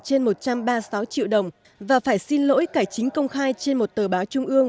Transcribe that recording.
châu ngọc ngừng trên một trăm ba mươi sáu triệu đồng và phải xin lỗi cải chính công khai trên một tờ báo trung ương